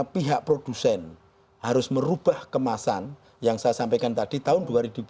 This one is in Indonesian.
pihak produsen harus merubah kemasan yang saya sampaikan tadi tahun dua ribu dua puluh